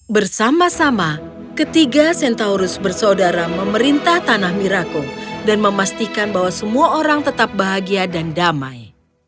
bersama sama ketiga centaurus bersaudara memerintah tanah mirako dan memastikan bahwa semua orang tetap bahagia dan damai